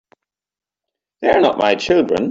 They're not my children.